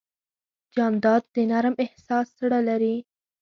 جانداد د نرم احساس زړه لري.